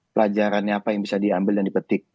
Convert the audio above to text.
pelajarannya apa yang bisa diambil dan dipetik